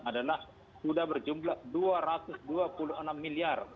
adalah sudah berjumlah dua ratus dua puluh enam miliar